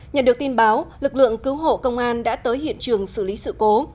nhận được tin báo lực lượng cứu hộ công an đã tới hiện trường xử lý sự cố